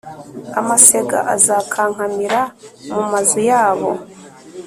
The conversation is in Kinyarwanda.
Amasega azakankamira mu mazu yabo